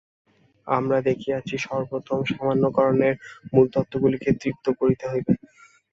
আমরা দেখিয়াছি, সর্বপ্রথমে সামান্যীকরণের মূলতত্ত্বগুলিকে তৃপ্ত করিতে হইবে।